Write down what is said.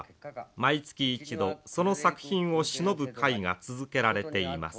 毎月一度その作品をしのぶ会が続けられています。